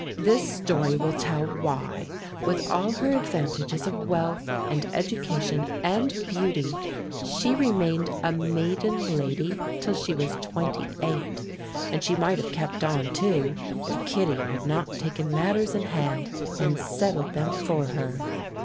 This story will tell why, with all her advantages of wealth and education and beauty, she remained a maiden lady till she was twenty eight; and she might have kept on, too, if Kittie had not taken matters in hand and settled them for her.